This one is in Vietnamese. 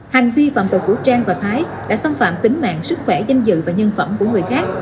hành vi phạm tội của trang và thái đã xâm phạm tính mạng sức khỏe danh dự và nhân phẩm của người khác